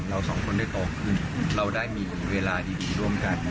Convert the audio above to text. เราสองคนได้โตขึ้นเราได้มีเวลาดีร่วมกัน